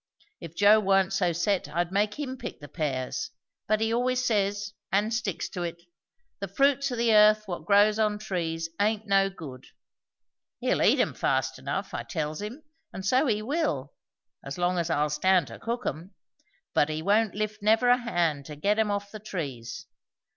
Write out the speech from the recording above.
If Joe warn't so set I'd make him pick the pears; but he always says and sticks to it, the fruits o' the earth what grows on trees aint no good. He'll eat 'em fast enough, I tells him, and so he will; as long as I'll stand to cook 'em; but he won't lift never a hand to get 'em off the trees.